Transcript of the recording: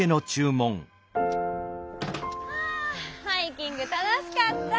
はあハイキングたのしかった！